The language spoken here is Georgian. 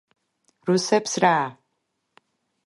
რუსებს რა?